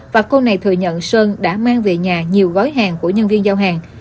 và cô này thừa nhận sơn đã mang về nhà nhiều gói hàng của nhân viên giao hàng